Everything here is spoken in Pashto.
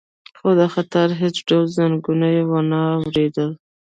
خو د خطر هیڅ ډول زنګونه یې ونه اوریدل